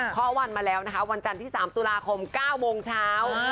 ข้อวันมาแล้วนะคะวันจันทร์ที่๓ตุลาคม๙โมงเช้า